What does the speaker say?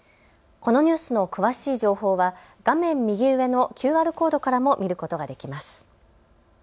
このニュースの詳しい情報は画面右上のＱＲコードからも見ることができます。